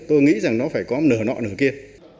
tôi nghĩ rằng nó phải có nở nọ nửa kia